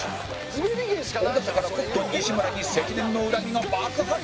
尾形からコットン西村に積年の恨みが爆発！